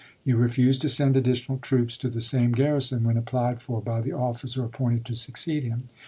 You refused to send additional troops to the same garrison when applied for by the officer appointed to succeed him.